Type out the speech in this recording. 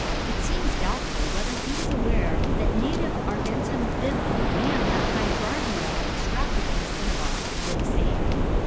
It seems doubtful whether he was aware that native or* gentum vivum and the hydrargyrum extracted from cinnabar were the same.